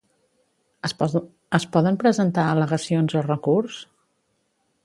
Es poden presentar al·legacions o recurs?